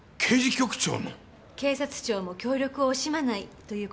警察庁も協力を惜しまないという事です。